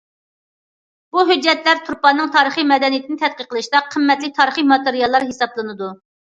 بۇ ھۆججەتلەر تۇرپاننىڭ تارىخىي مەدەنىيىتىنى تەتقىق قىلىشتا قىممەتلىك تارىخىي ماتېرىيال ھېسابلىنىدۇ.